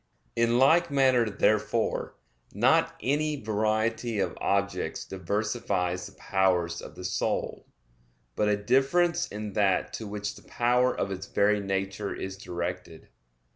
In like manner therefore, not any variety of objects diversifies the powers of the soul, but a difference in that to which the power of its very nature is directed.